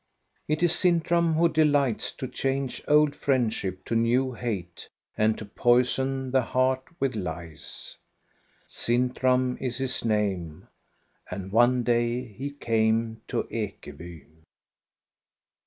It is Sintram who delights to change old friend ship to new hate, and to poison the heart with lies. Sintram is his name — and one day he came to Ekeby.